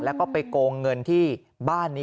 แล้วก็ไปโกงเงินที่บ้านนี้